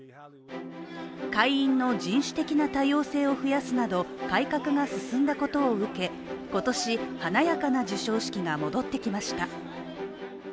会員の人種的な多様性を増やすなど改革が進んだことを受け今年、華やかな授賞式が戻ってきました。